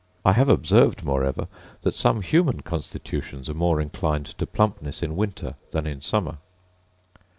I have observed, moreover, that some human constitutions are more inclined to plumpness in winter than in summer.